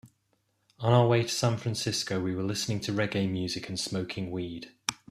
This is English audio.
On our way to San Francisco, we were listening to reggae music and smoking weed.